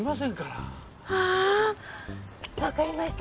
ああわかりました。